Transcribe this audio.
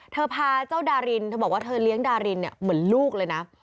พาเจ้าดารินเธอบอกว่าเธอเลี้ยงดารินเนี่ยเหมือนลูกเลยนะ